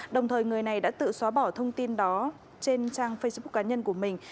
đồng thời người này đã tự xóa bỏ thông tin đó trên trang facebook cá nhân của mình